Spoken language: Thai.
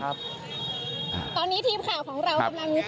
ตอนนี้ทีมข่าวของเรากำลังตามรถกระบะของคุณนัทธบุฒิมานะคะ